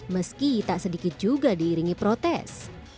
meski tak sedikit juga diiringi protes